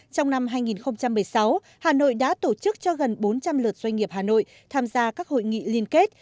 trong năm hai nghìn một mươi sáu hà nội đã tổ chức cho gần bốn trăm linh lượt doanh nghiệp hà nội tham gia các hội nghị liên kết